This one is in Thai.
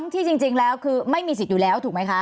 ที่จริงแล้วคือไม่มีสิทธิ์อยู่แล้วถูกไหมคะ